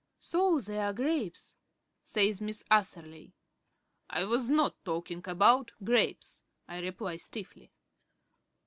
"So there are grapes," says Miss Atherley. "I was not talking about grapes," I reply stiffly.